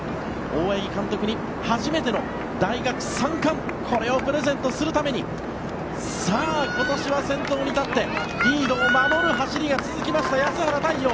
大八木監督に初めての大学３冠これをプレゼントするためにさあ、今年は先頭に立ってリードを守る走りが続きました安原太陽。